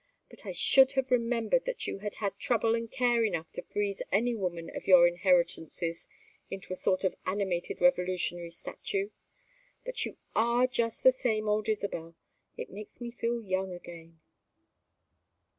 But I should have remembered that you had had trouble and care enough to freeze any woman of your inheritances into a sort of animated Revolutionary statue. But you are just the same old Isabel. It makes me feel young again."